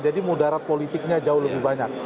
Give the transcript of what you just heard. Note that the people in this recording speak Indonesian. jadi moderat politiknya jauh lebih banyak